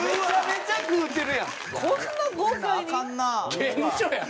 刑務所やん。